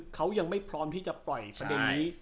เขายังไม่พร้อมที่จะปล่อยประเด็นนี้